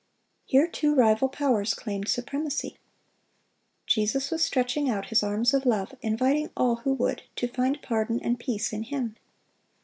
Here two rival powers claimed supremacy. Jesus was stretching out His arms of love, inviting all who would to find pardon and peace in Him.